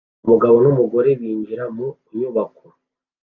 Umugabo n'umugore binjira mu nyubako